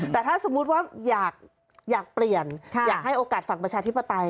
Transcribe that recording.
แต่ถ้าสมมุติว่าอยากเปลี่ยนอยากให้โอกาสฝั่งประชาธิปไตย